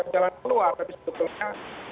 jalan keluar tapi sebetulnya